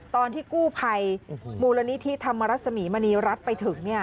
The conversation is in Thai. ตอนที่กู้ภัยมูลนิธิธรรมรสมีมณีรัฐไปถึง